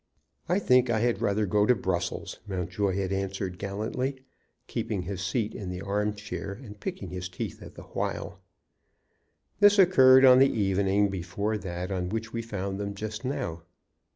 "I think I had rather go to Brussels," Mountjoy had answered, gallantly, keeping his seat in the arm chair and picking his teeth the while. This occurred on the evening before that on which we found them just now.